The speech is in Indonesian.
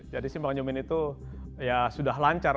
jadi simpang nyumin itu ya sudah lancar